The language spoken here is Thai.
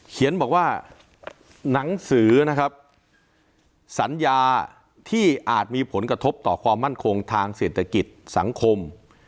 เขียนบอกว่าหนังสือนะครับสัญญาที่อาจมีผลกระทบต่อความมั่นคงทางเศรษฐกิจสังคม